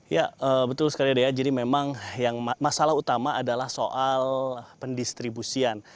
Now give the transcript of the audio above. ya betul sekali dea jadi memang yang masalah utama adalah soal pendistribusian